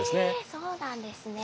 そうなんですね。